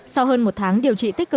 sau hơn một tháng điều trị